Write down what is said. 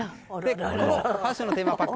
ファッションのテーマパーク